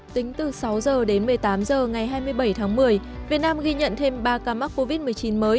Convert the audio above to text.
tính từ sáu h đến một mươi tám h ngày hai mươi bảy tháng một mươi việt nam ghi nhận thêm ba ca mắc covid một mươi chín mới